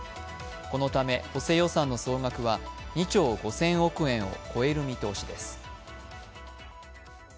このため補正予算の総額は２兆５０００億円を超える見通しです。